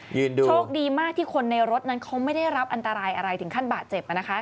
โชคดีมากที่คนในรถนั้นเขาไม่ได้รับอันตรายอะไรถึงขั้นบาดเจ็บ